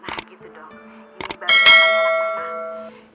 nah gitu dong ini baru yang saya nyelak mama